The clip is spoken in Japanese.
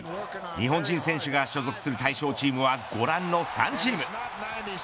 日本人選手が所属する対象チームはご覧の３チーム。